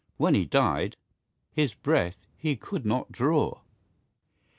when he died, His breath he could not draw!